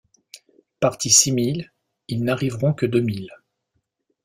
Partis six mille, ils n'arriveront que deux mille.